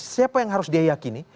siapa yang harus dia yakini